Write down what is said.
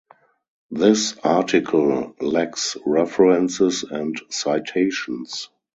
This article lacks references and citations.